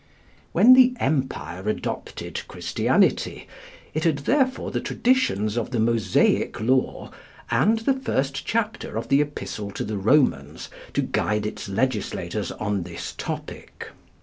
When the Empire adopted Christianity, it had therefore the traditions of the Mosaic law and the first chapter of the Epistle to the Romans to guide its legislators on this topic.